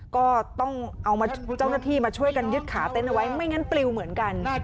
ก็ต้องเอามาเจ้าหน้าที่มาช่วยกันยึดขาเต้นเอาไว้ไม่งั้นปลิวเหมือนกัน